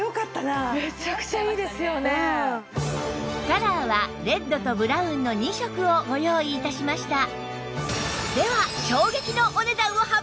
カラーはレッドとブラウンの２色をご用意致しました